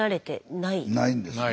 ないですね。